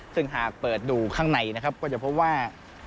ซึ่งหากเปิดดูข้างในก็จะพบว่า